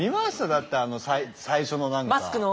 だって最初の何か。